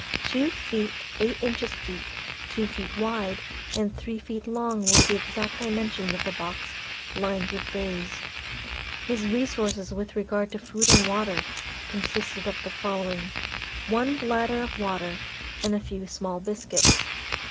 Two feet eight inches deep, two feet wide, and three feet long were the exact dimensions of the box, lined with baize. His resources with regard to food and water consisted of the following: One bladder of water and a few small biscuits.